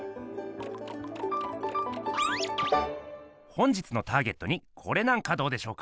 本日のターゲットにこれなんかどうでしょうか？